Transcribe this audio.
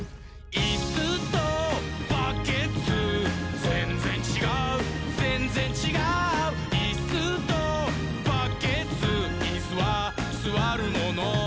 「いっすーとバッケツーぜんぜんちがうぜんぜんちがう」「いっすーとバッケツーイスはすわるもの」